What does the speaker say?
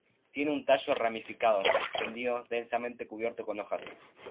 Tiene un tallo ramificado, extendido, densamente cubierto con hojas.